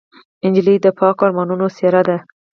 نجلۍ د پاکو ارمانونو څېره ده.